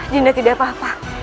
dinda tidak apa apa